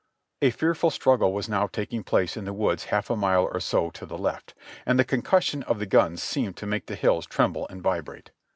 A fearful struggle was now taking place in the woods half a mile or so to the left, and the concussion of the guns seemed to make the hills tremble and vibrate.